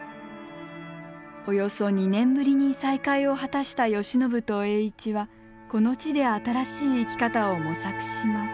およそ２年ぶりに再会を果たした慶喜と栄一はこの地で新しい生き方を模索します。